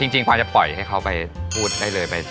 จริงพอจะปล่อยให้เขาไปพูดได้เลย